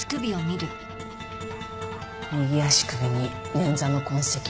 右足首に捻挫の痕跡。